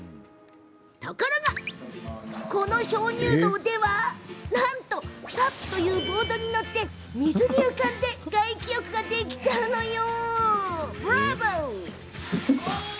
ところが、この鍾乳洞ではなんとサップというボードに乗って水に浮かんで外気浴ができちゃうのよ。